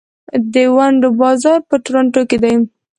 د ونډو بازار په تورنټو کې دی.